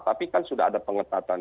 tapi kan sudah ada pengetatan